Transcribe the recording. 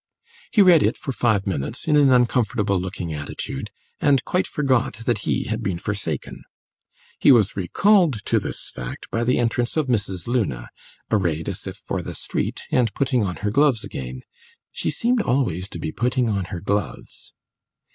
He read it for five minutes in an uncomfortable looking attitude, and quite forgot that he had been forsaken. He was recalled to this fact by the entrance of Mrs. Luna, arrayed as if for the street, and putting on her gloves again she seemed always to be putting on her gloves.